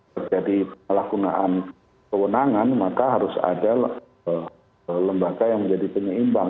terjadi penyalahgunaan kewenangan maka harus ada lembaga yang menjadi penyeimbang